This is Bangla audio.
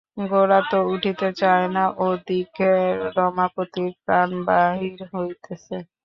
গোরা তো উঠিতে চায় না, ও দিকে রমাপতির প্রাণ বাহির হইতেছে।